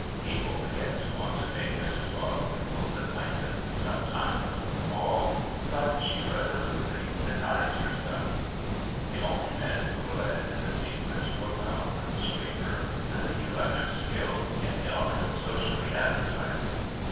People began to want to make Mrs Bodwinkle's acquaintance some time before the ball, but she resolutely denied herself. The only men who were let into the secret were Bower, Scraper, and a few others skilled in the art of socially advertising.